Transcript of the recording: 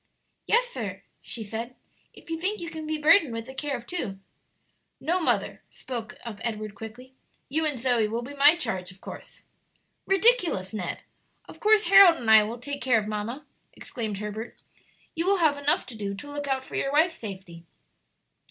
"Yes, sir," she said, "if you think you can be burdened with the care of two." "No, mother," spoke up Edward, quickly; "you and Zoe will be my charge, of course." "Ridiculous, Ned! of course, Harold and I will take care of mamma," exclaimed Herbert. "You will have enough to do to look out for your wife's safety."